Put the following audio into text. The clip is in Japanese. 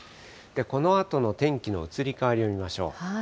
このあとの天気の移り変わりを見ましょう。